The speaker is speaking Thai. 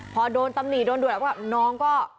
พอดนตำหรี่โดนด่วนแล้วแบบน้องก็